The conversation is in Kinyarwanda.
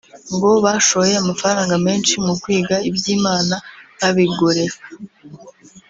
ngo bashoye amafaranga menshi mukwiga iby’Imana babigoreka